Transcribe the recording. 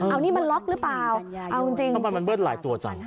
เอานี่มันล็อกหรือเปล่าเอาจริงทำไมมันเบิ้ลหลายตัวจัง